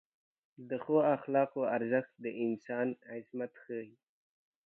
د ښو اخلاقو ارزښت د انسان عظمت ښیي.